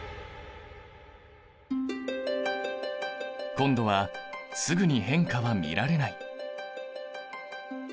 今度はすぐに変化は見られない。